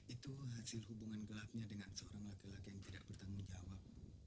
itu hasil hubungan gelapnya dengan seorang laki laki yang tidak bertanggung jawab